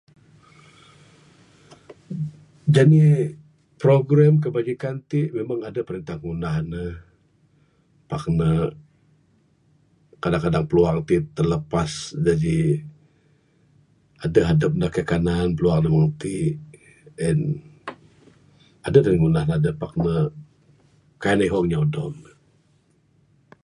Jani'k program kebajikan ti ngan adeh perintah ngunah ne Pak ne kadang kadang piluah ne ti lapas jaji adeh adep ne kaik kanan piluah da meng ti en adeh dingan ngunah da adeh pak ne kaik ihong inya udog